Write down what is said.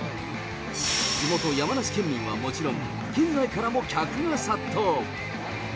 地元、山梨県民はもちろん、県外からも客が殺到。